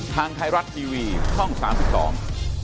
ทางไทยรัฐทีวีช่องสามสิบสอง